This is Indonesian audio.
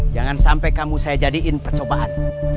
jangan sampai kamu saya jadiin percobaan